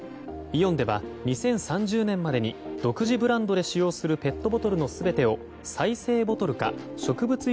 イオンでは２０３０年までに独自ブランドで使用するペットボトルの全てを再生ボトルか植物